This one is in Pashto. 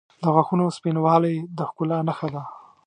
• د غاښونو سپینوالی د ښکلا نښه ده.